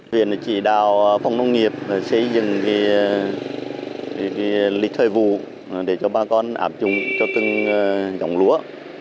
huyện chỉ đạo phòng nông nghiệp xây dựng lịch thời vụ để cho bà con áp dụng cho từng dòng lúa